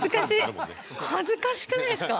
恥ずかしくないですか？